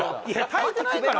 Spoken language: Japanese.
たいてないから！